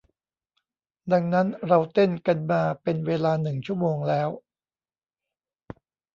ดังนั้นเราเต้นกันมาเป็นเวลาหนึ่งชั่วโมงแล้ว